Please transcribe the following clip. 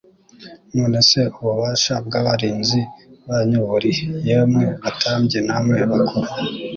None se ububasha bw'abarinzi banyu burihe, yemwe batambyi namwe bakuru?